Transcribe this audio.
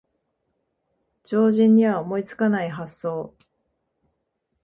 常人には思いつかない発想